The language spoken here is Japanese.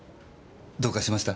どうかしました？